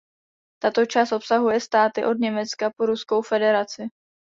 Tato část obsahuje státy od Německa po Ruskou federaci.